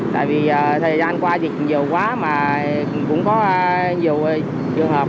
tại vì thời gian qua thì nhiều quá mà cũng có nhiều trường hợp